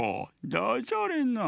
ダジャレなあ。